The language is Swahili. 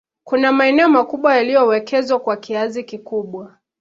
kuna maeneo makubwa yaliyowekezwa kwa kiasi kikubwa